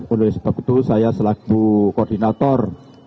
oleh sebab itu saya selaku koordinator